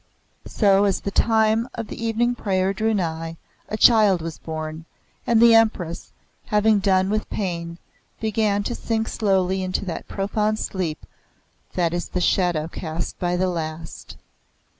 So, as the time of the evening prayer drew nigh, a child was born, and the Empress, having done with pain, began to sink slowly into that profound sleep that is the shadow cast by the Last.